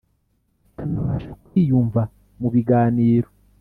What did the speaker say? bakanabasha kwiyumva mu biganiro